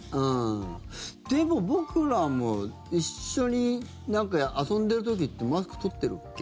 でも、僕らも一緒に遊んでる時ってマスク取ってるっけ？